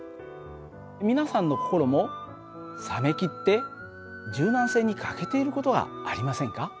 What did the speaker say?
皆さんの心も冷めきって柔軟性に欠けている事はありませんか？